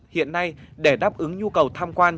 hiện nay để đáp ứng nhu cầu tham quan